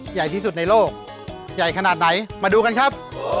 ใหญ่ที่สุดในโลกใหญ่ขนาดไหนมาดูกันครับ